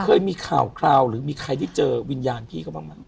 เคยมีข่าวคราวหรือมีใครได้เจอวิญญาณพี่เขาบ้างไหม